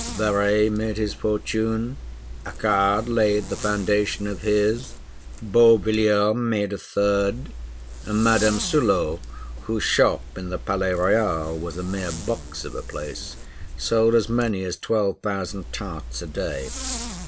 Véry made his fortune; Achard laid the foundation of his; Beauvilliers made a third; and Madame Sullot, whose shop in the Palais Royal was a mere box of a place, sold as many as twelve thousand tarts a day.